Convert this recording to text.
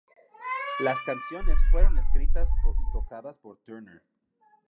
Las canciones fueron escritas y tocadas por Turner.